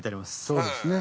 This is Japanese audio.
そうですね。